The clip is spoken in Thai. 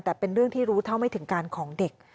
แต่เป็นเรื่องที่รู้เท่าไม่ถึงการของเด็ก